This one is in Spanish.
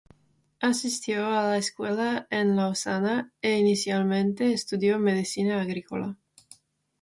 Asistió a la escuela en Lausana, e inicialmente estudió medicina agrícola.